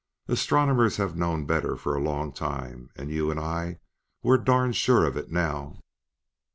Astronomers have known better for a long time; and you and I we're darned sure of it now."